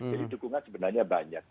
jadi dukungan sebenarnya banyak